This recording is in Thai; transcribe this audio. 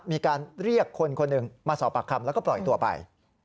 มีการเรียกคนคนหนึ่งมาสอบปากคำแล้วก็ปล่อยตัวไป